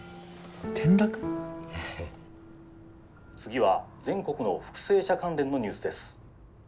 「次は全国の復生者関連のニュースです」。